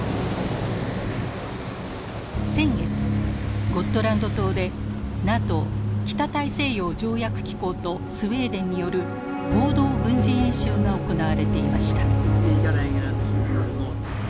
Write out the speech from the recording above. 先月ゴットランド島でＮＡＴＯ北大西洋条約機構とスウェーデンによる合同軍事演習が行われていました。